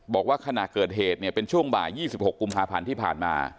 บอกว่าขณะเกิดเหตุเนี่ยเป็นช่วงบ่าย๒๖กุมภาพันธ์ที่ผ่านมา